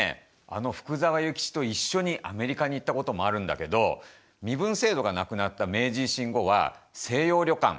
あの福沢諭吉と一緒にアメリカに行ったこともあるんだけど身分制度がなくなった明治維新後は西洋旅館